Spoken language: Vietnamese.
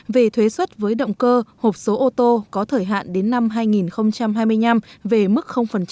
về thuế xuất với động cơ hộp số ô tô có thời hạn đến năm hai nghìn hai mươi năm về mức